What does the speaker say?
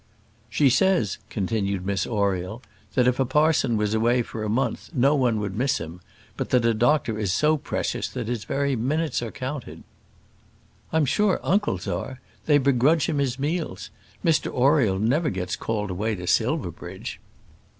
"She says," continued Miss Oriel, "that if a parson was away for a month, no one would miss him; but that a doctor is so precious that his very minutes are counted." "I am sure uncle's are. They begrudge him his meals. Mr Oriel never gets called away to Silverbridge."